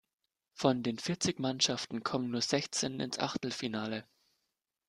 Von den vierzig Mannschaften kommen nur sechzehn ins Achtelfinale.